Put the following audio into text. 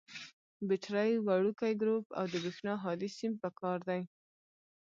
بټرۍ، وړوکی ګروپ او د برېښنا هادي سیم پکار دي.